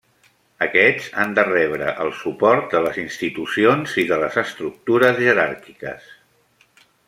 Aquests han de rebre el suport de les institucions i de les estructures jeràrquiques.